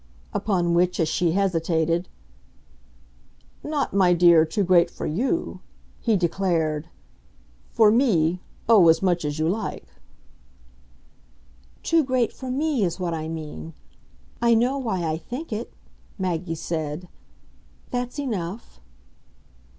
Upon which as she hesitated, "Not, my dear, too great for you," he declared. "For me oh, as much as you like." "Too great for me is what I mean. I know why I think it," Maggie said. "That's enough."